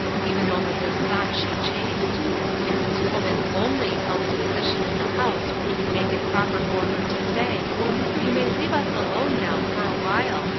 Even over this thought she chafed. If this woman only held the posi tion in the house which would make it proper for her to say, " You may leave us alone now, for awhile.